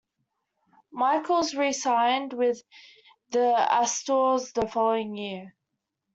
Michaels re-signed with the Astros the following year.